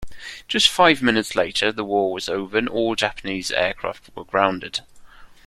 Just five minutes later, the war was over and all Japanese aircraft were grounded.